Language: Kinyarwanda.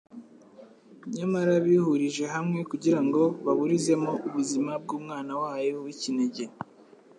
nyamara bihurije hamwe kugira ngo baburizemo ubuzima bw'Umwana wayo w'ikinege.